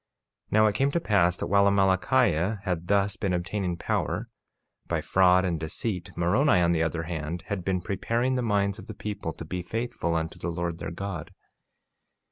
48:7 Now it came to pass that while Amalickiah had thus been obtaining power by fraud and deceit, Moroni, on the other hand, had been preparing the minds of the people to be faithful unto the Lord their God.